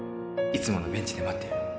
いつものベンチで待ってる